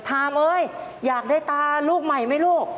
เอ้ยอยากได้ตาลูกใหม่ไหมลูก